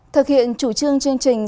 thực hiện chủ trương chương trình